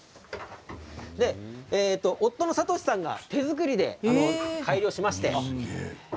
夫のさとしさんが手作りで改良しました。